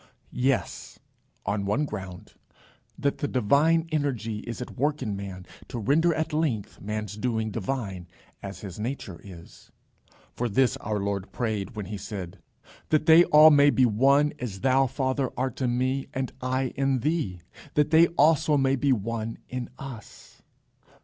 Yes; on one ground: that the divine energy is at work in man, to render at length man's doing divine as his nature is. For this our Lord prayed when he said: "That they all may be one, as thou, Father, art in me, and I in thee, that they also may be one in us."